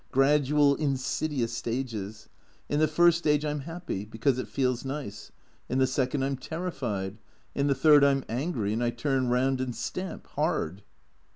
Gradual, insidious stages. In the first stage I 'm happy, because it feels nice. In the second I 'm terrified. In the third I 'm angry and I turn round and stamp. Hard."